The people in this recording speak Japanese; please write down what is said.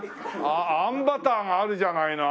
あんバターがあるじゃないの。